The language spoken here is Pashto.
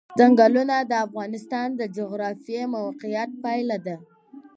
ځنګلونه د افغانستان د جغرافیایي موقیعت پایله ده.